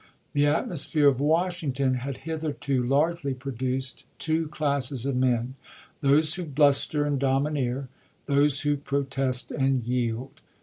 The at mosphere of Washington had hitherto largely produced two classes of men — those who bluster and domineer, those who protest and yield.